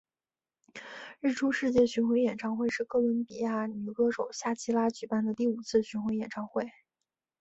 日出世界巡回演唱会是哥伦比亚女歌手夏奇拉举办的第五次巡回演唱会。